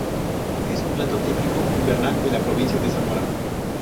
Es un plato típico invernal de la provincia de Zamora.